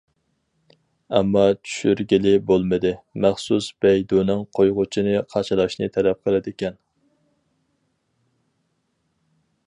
ئەمما چۈشۈرگىلى بولمىدى، مەخسۇس بەيدۇنىڭ قويغۇچىنى قاچىلاشنى تەلەپ قىلىدىكەن.